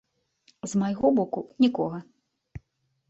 З майго боку нікога!